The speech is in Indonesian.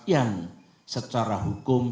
yang secara hukum